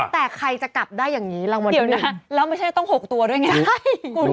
แต่ใครจะกลับได้อย่างนี้รางวัลเดียวนะแล้วไม่ใช่ต้อง๖ตัวด้วยไง